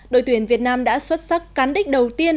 đội tuyển việt nam đã xuất sắc cán đích đầu tiên